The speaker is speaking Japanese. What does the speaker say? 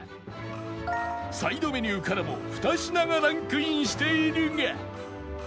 サイドメニューからも２品がランクインしているが